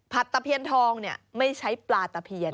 ตะเพียนทองไม่ใช้ปลาตะเพียน